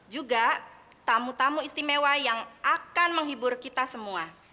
juga tamu tamu istimewa yang akan menghibur kita semua